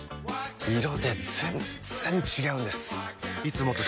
色で全然違うんです！